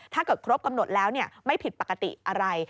ถ้าเกิดครบกำหนดแล้วไม่ผิดปกติอะไร